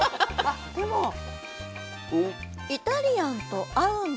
イタリアンと合うんだ。